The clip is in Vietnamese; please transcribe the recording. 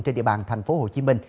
trên địa bàn tp hcm